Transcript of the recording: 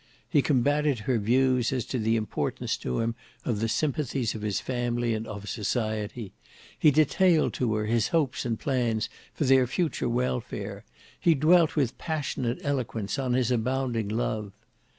He combated her views as to the importance to him of the sympathies of his family and of society; he detailed to her his hopes and plans for their future welfare; he dwelt with passionate eloquence on his abounding love.